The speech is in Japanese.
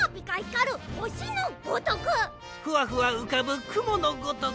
ふわふわうかぶくものごとく。